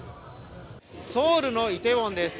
ソウルのイテウォンです。